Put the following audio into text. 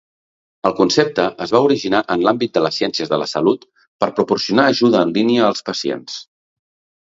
El concepte es va originar en l'àmbit de les ciències de la salut per proporcionar ajuda en línia als pacients.